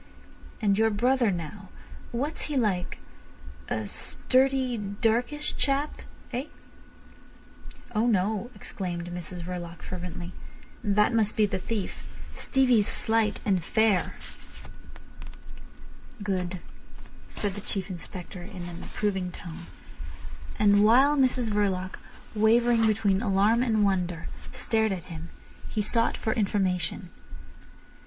And your brother now, what's he like—a sturdy, darkish chap—eh?" "Oh no," exclaimed Mrs Verloc fervently. "That must be the thief. Stevie's slight and fair." "Good," said the Chief Inspector in an approving tone. And while Mrs Verloc, wavering between alarm and wonder, stared at him, he sought for information.